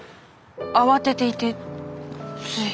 慌てていてつい。